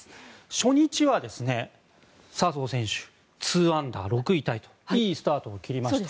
初日は、笹生選手２アンダー、６位タイといいスタートを切りました。